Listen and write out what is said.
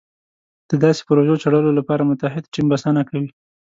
د داسې پروژو څېړلو لپاره متعهد ټیم بسنه کوي.